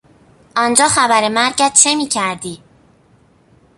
آنجا خبر مرگت چه میکردی؟